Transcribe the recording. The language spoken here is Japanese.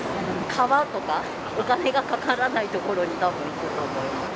川とかお金がかからない所にたぶん行くと思います。